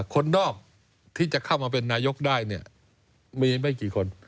คนนอกที่จะเข้ามาเป็นนายกได้เนี่ยมีไม่กี่คน